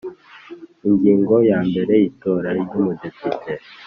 Ingingo ya mbere Itora ry Umudepite